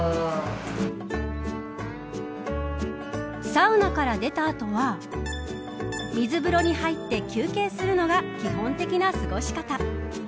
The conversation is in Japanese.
サウナから出た後は水風呂に入って休憩するのが基本的な過ごし方。